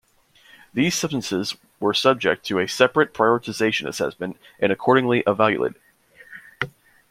These substances were subject to a separate prioritization assessment and accordingly evaluated.